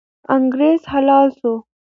انګریز حلال سو.